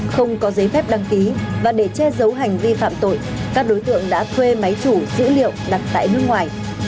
không có giấy phép đăng ký và để che giấu hành vi phạm tội các đối tượng đã thuê máy chủ dữ liệu đặt tại nước ngoài